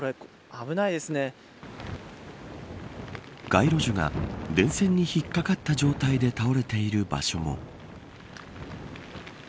街路樹が電線に引っかかった状態で倒れている場所も。